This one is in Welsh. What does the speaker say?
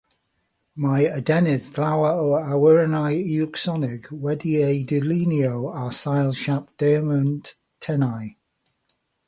Mae adenydd llawer o awyrennau uwchsonig wedi'u dylunio ar sail siâp diemwnt tenau.